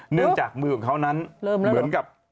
เนื่องจากมือของเขานั้นเหมือนกับ